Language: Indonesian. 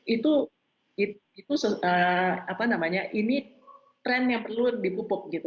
itu apa namanya ini tren yang perlu dipupuk gitu